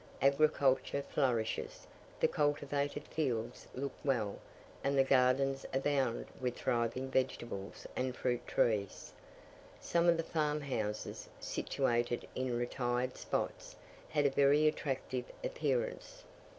Agriculture flourishes; the cultivated fields look well, and the gardens abound with thriving vegetables and fruit trees. Some of the farm houses, situated in retired spots, had a very attractive appearance.